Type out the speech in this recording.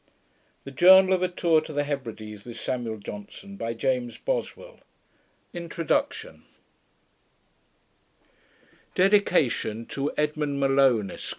THE JOURNAL OF A TOUR TO THE HEBRIDES WITH SAMUEL JOHNSON, LL.D. by James Boswell DEDICATION TO EDMOND MALONE, ESQ.